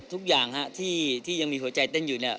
ทุกอย่างที่ยังมีหัวใจเต้นอยู่เนี่ย